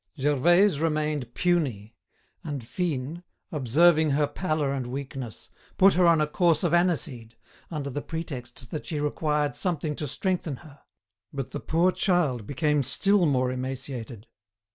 Gervaise remained puny, and Fine, observing her pallor and weakness, put her on a course of aniseed, under the pretext that she required something to strengthen her. But the poor child became still more emaciated.